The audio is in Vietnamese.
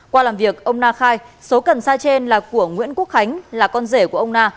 qua làm việc ông na khai số cần sa trên là của nguyễn quốc khánh là con rể của ông na